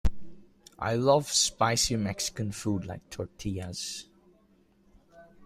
I love spicy Mexican food like tortillas.